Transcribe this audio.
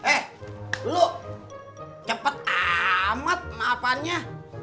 eh lu cepet amat maafannya